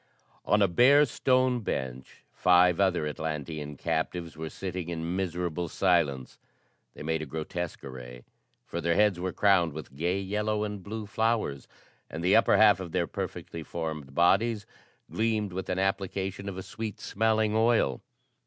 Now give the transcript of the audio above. On a bare stone bench, five other Atlantean captives were sitting in miserable silence. They made a grotesque array, for their heads were crowned with gay yellow and blue flowers, and the upper half of their perfectly formed bodies gleamed with an application of a sweet smelling oil.